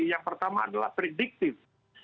yang pertama adalah predictif